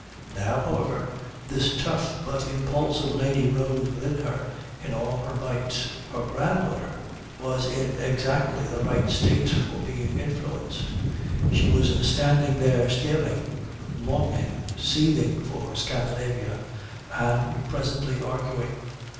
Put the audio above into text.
Now, however, this tough but impulsive lady rose within her in all her might. Her granddaughter was in exactly the right state for being influenced. She was standing there staring, longing, seething with Scandinavia, and presently arguing.